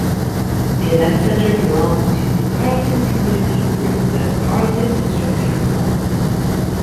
The Events Centre belongs to the Carterton community, through the Carterton District Council.